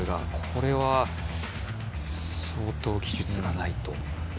これは、相当、技術がないと。